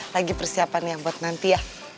lagi persiapan ya buat nanti ya